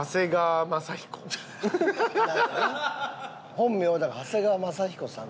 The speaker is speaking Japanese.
本名はだから長谷川正彦さん。